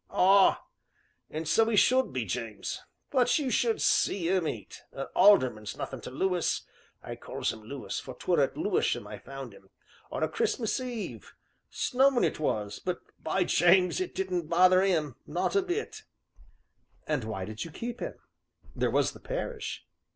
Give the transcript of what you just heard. "Ah and so 'e should be, James! But 'you should see 'im eat, a alderman's nothing to Lewis I calls 'im Lewis, for 'twere at Lewisham I found 'im, on a Christmas Eve snowing it was, but, by James! it didn't bother 'im not a bit." "And why did you keep him? there was the parish."